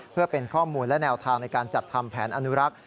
เพื่อเป็นข้อมูลและแนวทางในการจัดทำแผนอนุรักษ์